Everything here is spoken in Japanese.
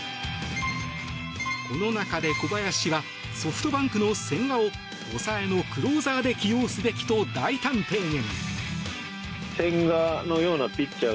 この中で小林氏はソフトバンクの千賀を抑えのクローザーで起用すべきと大胆提言。